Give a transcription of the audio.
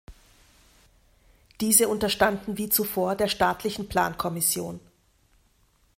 Diese unterstanden wie zuvor der Staatlichen Plankommission.